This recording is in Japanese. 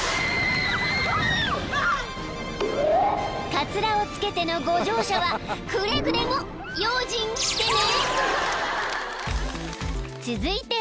［かつらをつけてのご乗車はくれぐれも用心してね］